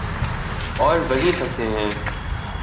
اوروہیں پھنسے ہیں۔